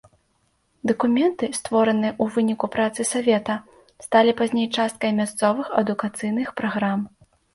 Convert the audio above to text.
Дакументы, створаныя ў выніку працы савета, сталі пазней часткай мясцовых адукацыйных праграм.